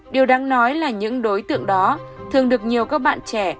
điều đáng nói là những đối tượng đó thường được nhiều các bạn trẻ